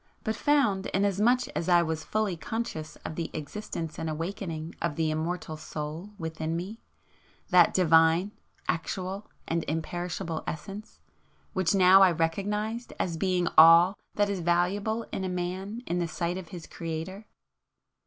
but found, inasmuch as I was fully conscious of the existence and awakening of the Immortal Soul within me,—that divine, actual and imperishable essence, which now I recognised as being all that is valuable in a man in the sight of his Creator.